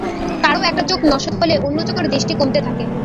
কারও একটা চোখ নসত হলে অন্য চোখের দৃষ্টি কমতে থাকে।